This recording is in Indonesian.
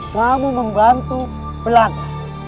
kamu membantu pelantar